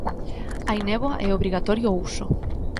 Hai néboa e é obrigatorio o uso.